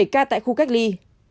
một mươi bảy ca tại khu cách ly